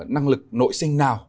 năng lực nội sinh nào